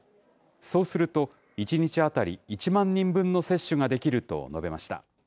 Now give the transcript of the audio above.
そうすると１日当たり１万人分の接種ができると述べました。